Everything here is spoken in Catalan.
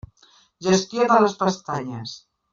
Gestió de les pestanyes.